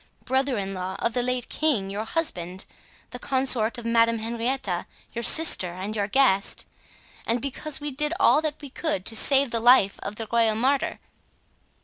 brother in law of the late king, your husband, the consort of Madame Henrietta, your sister and your guest, and because we did all that we could do to save the life of the royal martyr.